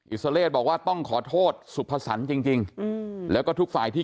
อิสเตอร์เลสบอกว่าต้องขอโทษสุภาษณจริงแล้วก็ทุกฝ่ายที่